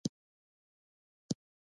نه پوهېدم چې کښته تله که پورته.